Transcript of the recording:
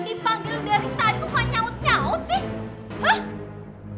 ini dipanggil dari tadi kok nyaut nyaut sih